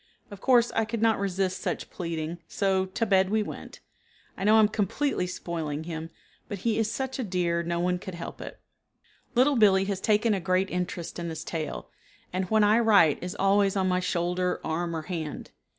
Of course I could not resist such pleading, so to bed we went. I know I am completely spoiling him, but he is such a dear no one could help it. Little Billee has taken a great interest in this tale, and when I write is always on my shoulder, arm or hand.